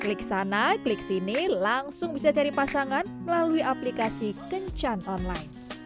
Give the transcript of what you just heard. klik sana klik sini langsung bisa cari pasangan melalui aplikasi kencan online